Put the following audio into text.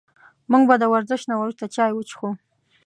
موږ به د ورزش نه وروسته چای وڅښو